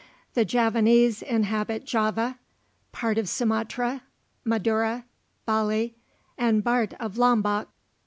The Javanese inhabit Java, part of Sumatra, Madura, Bali, and Bart of Lombock.